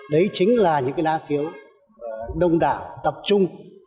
đấy chính là những cái lá phiếu đông đảo tập trung